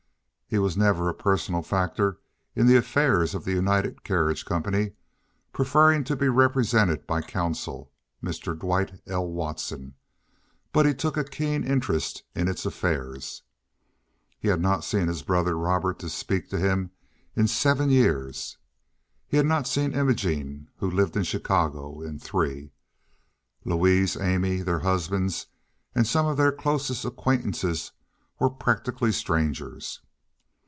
He was never a personal factor in the affairs of The United Carriage Company, preferring to be represented by counsel—Mr. Dwight L. Watson, but he took a keen interest in its affairs. He had not seen his brother Robert to speak to him in seven years. He had not seen Imogene, who lived in Chicago, in three. Louise, Amy, their husbands, and some of their closest acquaintances were practically strangers.